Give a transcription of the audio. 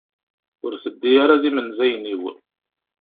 Ur teddi ara d imenzayen-iw.